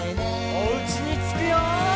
おうちにつくよ！